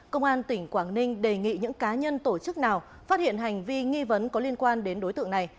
công an tỉnh quảng ninh đề nghị những cá nhân tổ chức nào phát hiện hành vi nghi vấn có liên quan đến đối tượng này